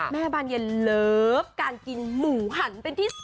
บานเย็นเลิฟการกินหมูหันเป็นที่๒